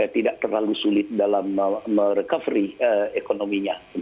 tidak terlalu sulit dalam merecovery ekonominya